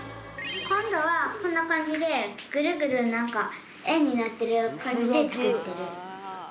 こんどはこんなかんじでぐるぐるなんかえんになってるかんじでつくってる。